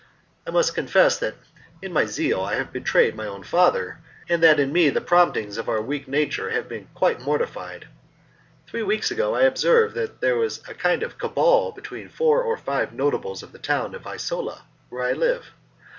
I must confess that in my zeal I have betrayed my own father, and that in me the promptings of our weak nature have been quite mortified. Three weeks ago I observed that there was a kind of cabal between four or five notables of the town of Isola, where I live.